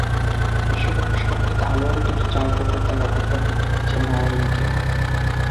বিশ্বকাপের স্বাদ পেতে আরও অন্তত চার বছর তাই অপেক্ষা করতে হচ্ছে নারাইনকে।